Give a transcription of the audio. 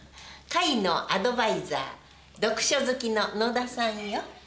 会のアドバイザー読書好きの野田さんよ。